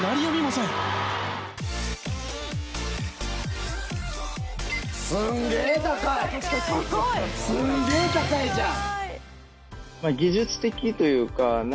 すんげー高いじゃん！